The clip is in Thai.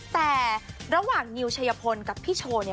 แต่ระหว่างนิวชัยพลกับพี่โชว์เนี่ย